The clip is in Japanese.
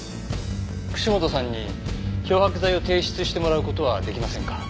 串本さんに漂白剤を提出してもらう事は出来ませんか？